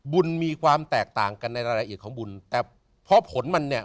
มีความแตกต่างกันในรายละเอียดของบุญแต่พอผลมันเนี่ย